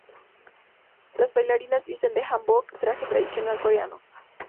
Las bailarinas visten el hanbok, traje tradicional coreano.